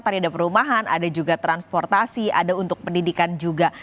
tadi ada perumahan ada juga transportasi ada untuk pendidikan juga